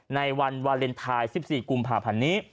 ในวันวาเลนไทย๑๔กุมภาพันธ์นี้